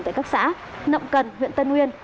tại các xã nậm cần huyện tân nguyên